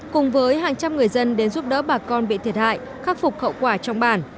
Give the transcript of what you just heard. cùng với hàng trăm người dân đến giúp đỡ bà con bị thiệt hại khắc phục khẩu quả trong bản